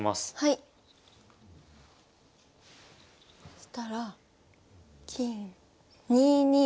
そしたら金２二金。